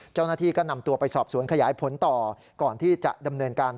เจ้าหน้าที่ก็นำตัวไปสอบสวนขยายผลต่อก่อนที่จะดำเนินการ